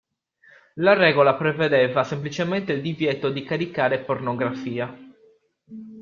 La regola prevedeva semplicemente il divieto di caricare pornografia.